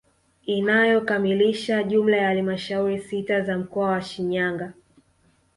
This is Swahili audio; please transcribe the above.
Inayokamilisha jumla ya halmashauri sita za mkoa wa Shinyanga